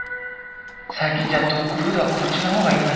最近じゃドッグフードはこっちの方がいいなんて言うんですよ。